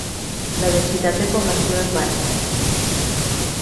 La densitat de població és baixa.